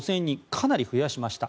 かなり増やしました。